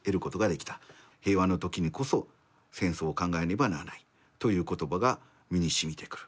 平和のときにこそ戦争を考えねばならないという言葉が身に沁みてくる」。